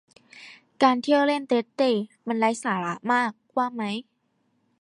การเที่ยวเล่นเตร็ดเตร่มันไร้สาระมากว่าไหม